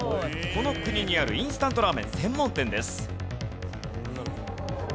この国にあるインスタントラーメン専門店です。